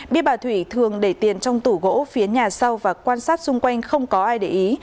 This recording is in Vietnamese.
biết bà thủy thường để tiền trong tủ gỗ phía nhà sau và quan sát xung quanh không có ai để ý